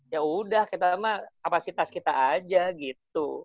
ya udah kita mah kapasitas kita aja gitu